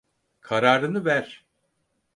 Kararını ver.